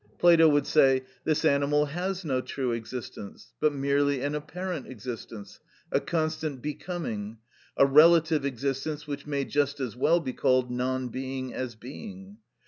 Plato would say, "This animal has no true existence, but merely an apparent existence, a constant becoming, a relative existence which may just as well be called non being as being.